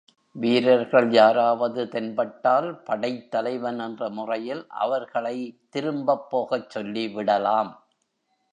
வீரர்கள் யாராவது தென்பட்டால் படைத்தலைவன் என்ற முறையில் அவர்களை திரும்பப்போகச்சொல்லி விடலாம்.